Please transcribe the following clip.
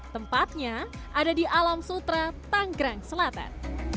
tempatnya ada di alam sutra tanggerang selatan